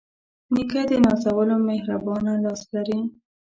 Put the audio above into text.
نیکه د نازولو مهربانه لاس لري.